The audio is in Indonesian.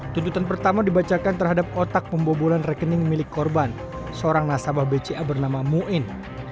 tuntutan pertama dibacakan terhadap otak pembobolan rekening milik korban seorang nasabah bca bernama muin